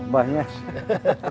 terima kasih tuhan